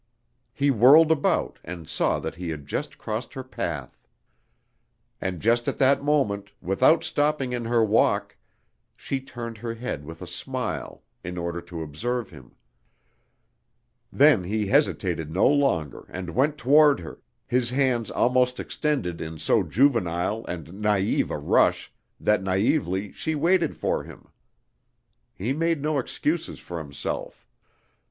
He whirled about and saw that he had just crossed her path. And just at that moment, without stopping in her walk, she turned her head with a smile in order to observe him. Then he hesitated no longer and went toward her, his hands almost extended in so juvenile and naïve a rush that naïvely she waited for him. He made no excuses for himself.